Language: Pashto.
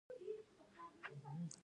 هر څوک څه رول لري؟